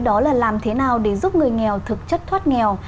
đó là làm thế nào để giúp người nghèo thực chất thoát nghèo